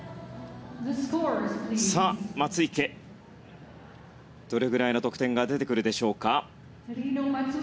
松生、どれぐらいの得点が出てくるでしょうか。